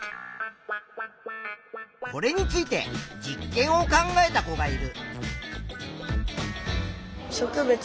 これについて実験を考えた子がいる。